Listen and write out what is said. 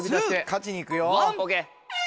勝ちにいくよ。ＯＫ。